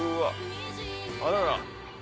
あらら。